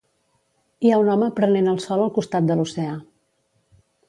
Hi ha un home prenent el sol al costat de l'oceà.